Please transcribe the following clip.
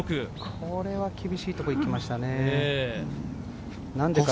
これは厳しい所に行きましたね。